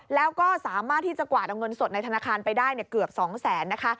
แล้วก็สามารถที่จะกวาดเอาเงินสดในธนาคารไปได้เกือบ๒แสนนะคะ